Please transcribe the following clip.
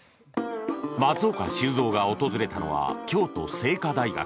松岡修造が訪れたのは京都精華大学。